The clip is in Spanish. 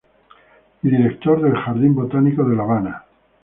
Y Director del Jardín Botánico de La Habana.